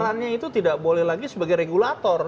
aturannya itu tidak boleh lagi sebagai regulator